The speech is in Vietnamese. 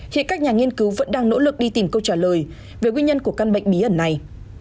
hiện các nhà nghiên cứu vẫn đang nỗ lực đi tìm câu trả lời về nguyên nhân của căn bệnh bí ẩn này